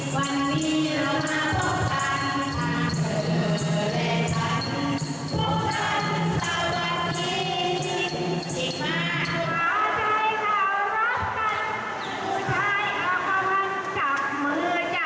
ใช่ค่ะก็ว่าจับมือจับมือ